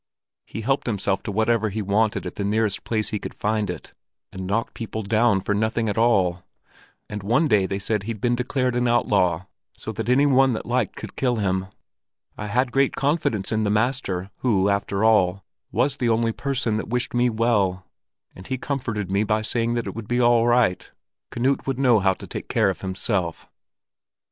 He helped himself to whatever he wanted at the nearest place he could find it, and knocked people down for nothing at all. And one day they said that he'd been declared an outlaw, so that any one that liked could kill him. I had great confidence in the master, who, after all, was the only person that wished me well; and he comforted me by saying that it would be all right: Knut would know how to take care of himself."